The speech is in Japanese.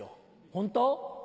ホント？